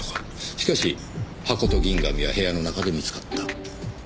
しかし箱と銀紙は部屋の中で見つかった。